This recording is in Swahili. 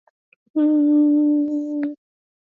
Ba zamu aba pataki busingizi ata kiloko busiku